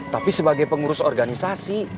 tapi sebagai pengurus organisasi